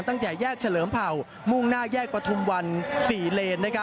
ตั้งแต่แยกเฉลิมเผ่ามุ่งหน้าแยกประทุมวัน๔เลน